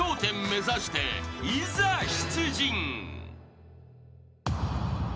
１０目指していざ出陣］